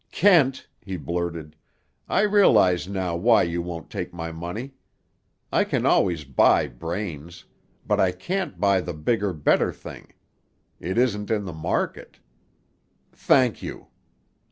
"Kent," he blurted, "I realize now why you won't take my money. I can always buy brains; but I can't buy the bigger better thing. It isn't in the market. Thank you!"